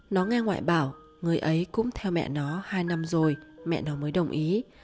nó nghe ngoại bảo người ấy cũng theo mẹ nó hai năm rồi mẹ nó mới đồng ý